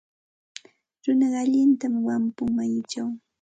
Runaqa allintam wampun mayuchaw.